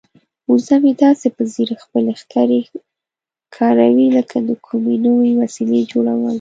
وزه مې داسې په ځیر خپلې ښکرې کاروي لکه د کومې نوې وسیلې جوړول.